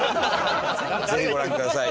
ぜひご覧ください。